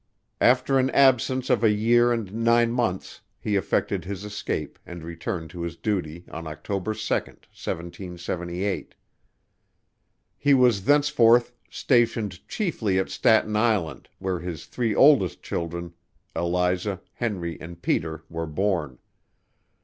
After an absence of a year and nine months he effected his escape and returned to his duty on October 2, 1778. He was thenceforth stationed chiefly at Staten Island, where his three oldest children Eliza, Henry and Peter were born.